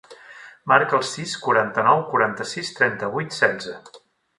Marca el sis, quaranta-nou, quaranta-sis, trenta-vuit, setze.